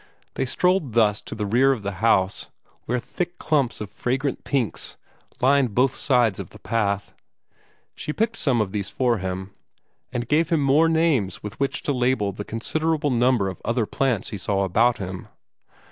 They strolled thus to the rear of the house, where thick clumps of fragrant pinks lined both sides of the path. She picked some of these for him, and gave him more names with which to label the considerable number of other plants he saw about him.